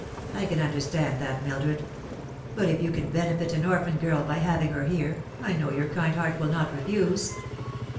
I can understand that, Mildred. But if you can benefit an orphan girl by having her here, I know your kind heart will not refuse.